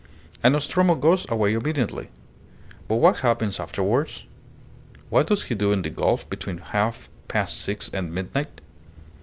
And Nostromo goes away obediently. But what happens afterwards? What does he do in the gulf between half past six and midnight?